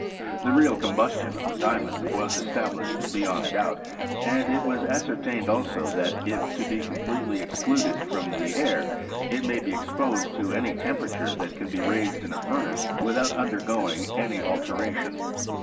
The real combustion of the diamond was established beyond doubt; and it was ascertained also, that if it be completely excluded from the air, it may be exposed to any temperature that can be raised in a furnace without undergoing any altera tion.